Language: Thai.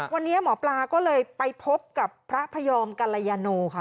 วันนี้หมอปลาก็เลยไปพบกับพระพยอมกัลยาโนค่ะ